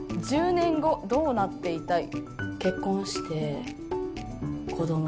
「１０年後どうなっていたい？」。